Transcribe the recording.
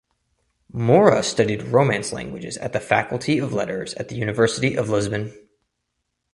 Moura studied Romance languages at the Faculty of Letters at the University of Lisbon.